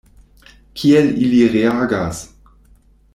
Kiel ili reagas?